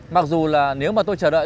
mặc dù là nếu mà tôi chờ đợi